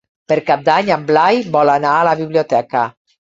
Per Cap d'Any en Blai vol anar a la biblioteca.